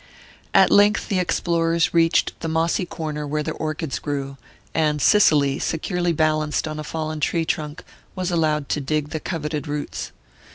At length the explorers reached the mossy corner where the orchids grew, and Cicely, securely balanced on a fallen tree trunk, was allowed to dig the coveted roots.